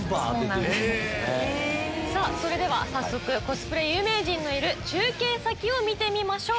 早速コスプレ有名人のいる中継先を見てみましょう。